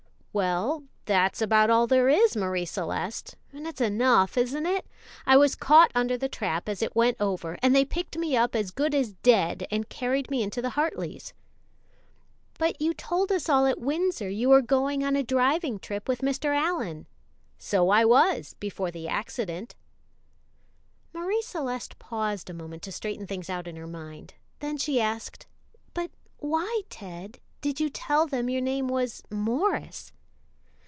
"Well, that's about all there is, Marie Celeste, and it's enough, isn't it? I was caught under the trap as it went over, and they picked me up as good as dead and carried me into the Hartleys." "But you told us all at Windsor you were going on a driving trip with Mr. Allyn." "So I was before the accident." Marie Celeste paused a moment to straighten things out in her mind; then she asked, "But why, Ted, did you tell them your name was Morris?"